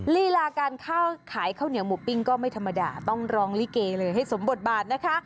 ลีลาการขายข้าวเหนียวหมูปิ้งก็ไม่ธรรมดาต้องร้องลิเกเลยให้สมบทบาทนะคะ